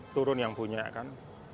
turun yang punya kan